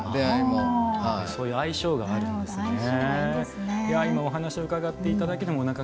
そういう相性があるんですね。